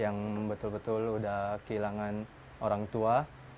yang betul betul udah kehilangan orang tua